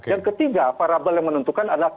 yang ketiga parabel yang menentukan adalah